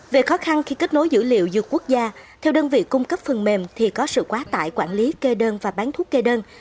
về khó khăn khi kết nối dữ liệu dược quốc gia theo đơn vị cung cấp phần mềm thì có sự quá tải quản lý kê đơn và bán thuốc kê đơn